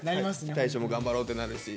大昇も頑張ろうってなるし。